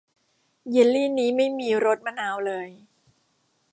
เยลลีนี้ไม่มีรสมะนาวเลย